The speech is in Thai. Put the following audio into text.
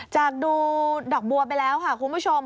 จากดูดอกบัวไปแล้วค่ะคุณผู้ชม